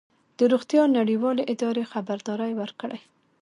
د روغتیا نړیوالې ادارې خبرداری ورکړی